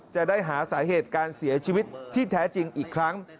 จะได้หาสาเหตุการเสียชีวิตที่แท้จริงอีกครั้ง